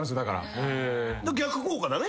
逆効果だね。